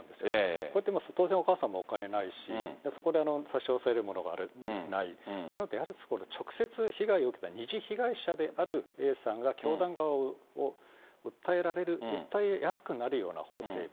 こうやって、当然お母さんもお金ないし、そこで差し押さえるものがない、やはり直接被害を受けた、二次被害者であるＡさんが教団側を訴えられる、訴えやすくなるような法整備。